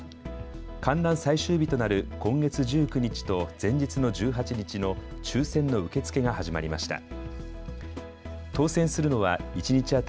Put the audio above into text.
観覧最終日となる今月１９日と前日の１８日の抽せんの受け付けが始まりました。